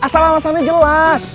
asal alasannya jelas